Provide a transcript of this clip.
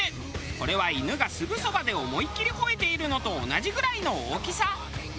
これは犬がすぐそばで思いっきりほえているのと同じぐらいの大きさ。